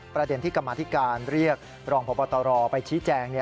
ประเด็นที่กรรมาธิการเรียกรองพบตรไปชี้แจง